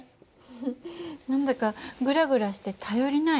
フフッ何だかグラグラして頼りない。